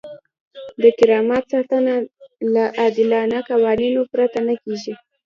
د کرامت ساتنه له عادلانه قوانینو پرته نه کیږي.